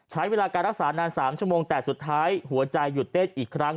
ใช้เวลาการรักษานาน๓ชั่วโมงแต่สุดท้ายหัวใจหยุดเต้นอีกครั้ง